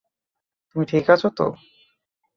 তুমি ঠিক আছো তো?